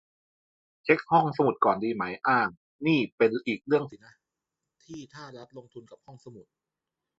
เช็คห้องสมุดก่อนดีไหม อา นี่เป็นอีกเรื่องสินะ ที่ถ้ารัฐลงทุนกับห้องสมุด